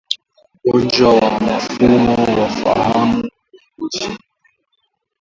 Ugonjwa wa mfumo wa fahamu kwa mbuzi